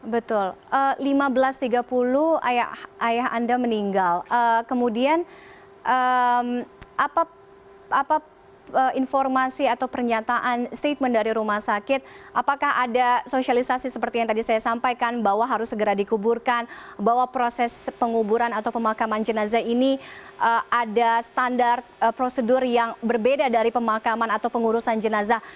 betul lima belas tiga puluh ayah anda meninggal kemudian apa informasi atau pernyataan statement dari rumah sakit apakah ada sosialisasi seperti yang tadi saya sampaikan bahwa harus segera dikuburkan bahwa proses penguburan atau pemakaman jenazah ini ada standar prosedur yang berbeda dari pemakaman atau pengurusan jenazah